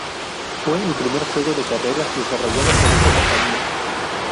Fue el primer juego de carreras desarrollado por esta compañía.